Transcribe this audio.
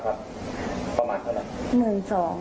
ประมาณเท่านั้น